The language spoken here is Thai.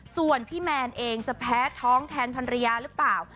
ส่วนพี่แมนเองจะแพ้ท้องแทนภรรยาหรือเปล่า